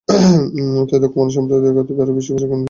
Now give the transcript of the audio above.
তাই দক্ষ মানবসম্পদে তৈরি করতে আরও বেশি প্রশিক্ষণ কর্মসূচি নিতে হবে।